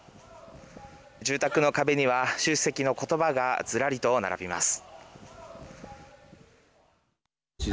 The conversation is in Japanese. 住宅の壁には習主席の言葉がずらりと並びます。